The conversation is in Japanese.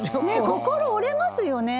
心折れますよね。